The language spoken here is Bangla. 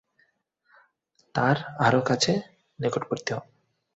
তার আরো কাছে নিকটবর্তী হও।